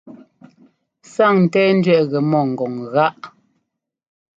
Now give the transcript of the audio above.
Sáŋńtɛ́ɛńdẅɛꞌ gɛ mɔ ŋgɔŋ gáꞌ.